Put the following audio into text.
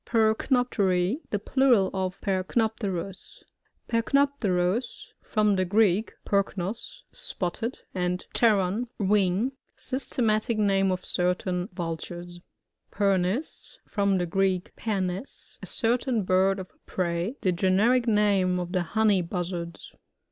Pbrcnopterl — The plural of Perc nopterus. Percnoptrrus. — From the Greek, perknos^ spotted, and pteron^ wing. Systematic name of certain Vul tures. Pernis. — From the Greek, pernes^ a certain bird of Prey, fhe generic name of the Honey Buzzards.